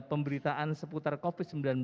pemberitaan seputar covid sembilan belas